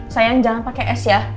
sayang jangan pakai es ya